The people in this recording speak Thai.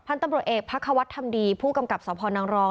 ตำรวจเอกพระควัฒน์ทำดีผู้กำกับสพนังรอง